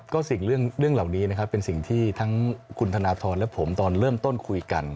ก็สิ่งเรื่องเหล่านี้นะครับเป็นสิ่งที่ทั้งคุณธนทรและผมตอนเริ่มต้นคุยกัน